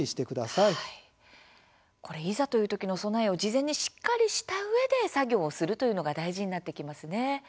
いざという時の備えを事前にしっかりしたうえで作業するというのが大事になってきますね。